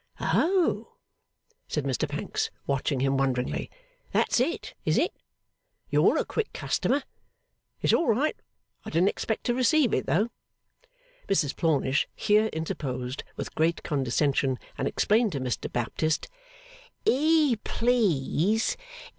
'Oh!' said Mr Pancks, watching him, wonderingly. 'That's it, is it? You're a quick customer. It's all right. I didn't expect to receive it, though.' Mrs Plornish here interposed with great condescension, and explained to Mr Baptist. 'E please.